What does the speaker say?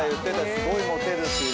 すごいモテるって。